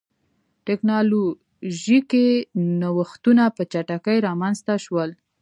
ټکنالوژیکي نوښتونه په چټکۍ رامنځته شول.